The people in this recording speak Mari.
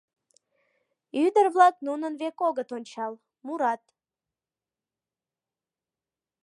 Ӱдыр-влак нунын век огыт ончал, мурат: